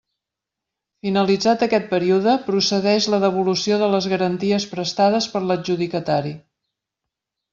Finalitzat aquest període, procedeix la devolució de les garanties prestades per l'adjudicatari.